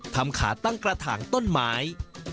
ขาตั้งกระถางต้นไม้